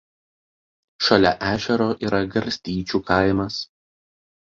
Šalia ežero yra Garstyčių kaimas.